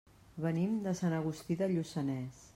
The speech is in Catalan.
Venim de Sant Agustí de Lluçanès.